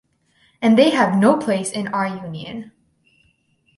And they have no place in our Union.